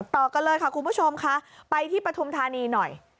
ต่อกันเลยค่ะคุณผู้ชมค่ะไปที่ปฐุมธานีหน่อย